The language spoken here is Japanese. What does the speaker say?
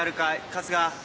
春日？